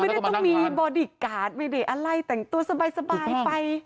ไม่ได้ต้องมีบอดี้การ์ดไม่ได้อะไรแต่งตัวสบายไป